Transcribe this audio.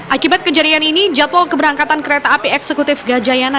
akibat kejadian ini jadwal keberangkatan kereta api eksekutif gajayana